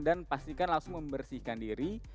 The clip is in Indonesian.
dan pastikan langsung membersihkan diri